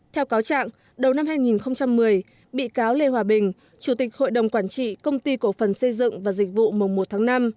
theo cáo trạng đầu năm hai nghìn một mươi bị cáo lê hòa bình chủ tịch hội đồng quản trị công ty cổ phần xây dựng và dịch vụ mùng một tháng năm